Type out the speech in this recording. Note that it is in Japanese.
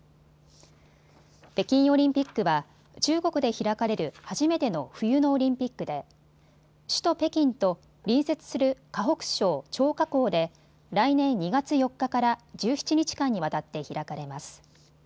北京オリンピックは中国で開かれる初めての冬のオリンピックで首都北京と隣接する河北省張家口で来年２月４日から１７日間にわたって開かれます。